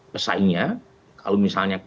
pesaingnya kalau misalnya